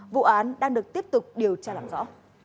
vụ án đang được tiếp tục điều tra làm rõ